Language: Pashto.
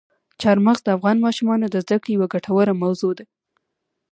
چار مغز د افغان ماشومانو د زده کړې یوه ګټوره موضوع ده.